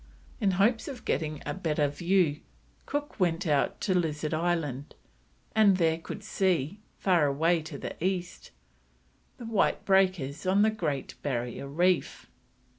In hopes of getting a better view Cook went out to Lizard Island, and from there could see, far away to the east, the white breakers on the Great Barrier Reef.